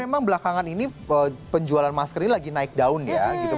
dan memang belakangan ini penjualan masker ini lagi naik down ya gitu